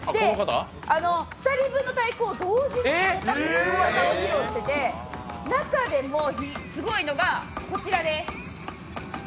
２人分の太鼓を同時にというすご技を披露してて中でも、すごいのがこちらです。